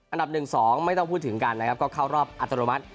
อันดับ๑๒ไม่ต้องพูดถึงกันนะครับก็เข้ารอบอัตโนมัติ